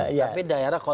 tapi daerah lain